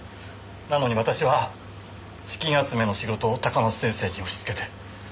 なのに私は資金集めの仕事を高松先生に押しつけて。